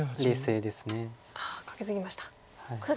カケツギました。